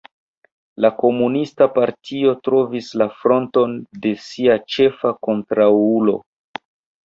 La komunista partio trovis la Fronton sia ĉefa kontraŭulo.